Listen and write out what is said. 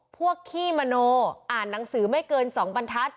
ขี้มโนอ่านหนังสือไม่เกิน๒บรรทัศน